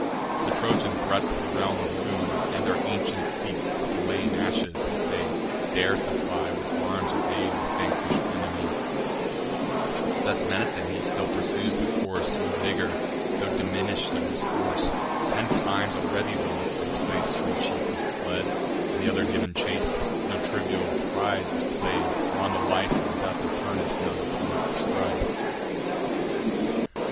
The Trojan threats The realm with ruin, and their ancient seats To lay in ashes, if they dare supply With arms or aid his vanquish'd enemy: Thus menacing, he still pursues the course, With vigour, tho' diminish'd of his force. Ten times already round the listed place One chief had fled, and t' other giv'n the chase: No trivial prize is play'd; for on the life Or death of Turnus now depends the strife.